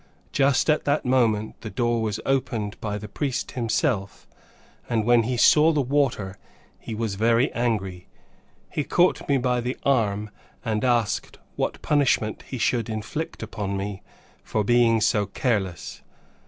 Just at that moment the door was opened by the priest himself, and when he saw the water he was very angry. He caught me by the arm and asked what punishment he should inflict upon me for being so careless.